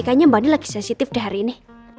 kayaknya mbak andin lagi sensitif hari ini